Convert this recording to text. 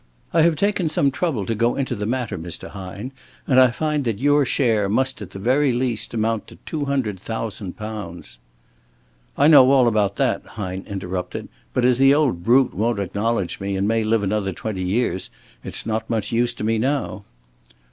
I have taken some trouble to go into the matter, Mr. Hine, and I find that your share must at the very least amount to two hundred thousand pounds." "I know all about that," Hine interrupted. "But as the old brute won't acknowledge me and may live another twenty years, it's not much use to me now."